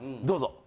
どうぞ。